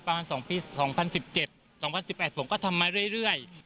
๒๐๑๗๒๐๑๘ผมก็ทำมาเรื่อย